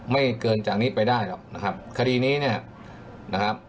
ไม่เกินจากนี้ไปได้หรอกนะครับคดีนี้เนี่ยนะครับ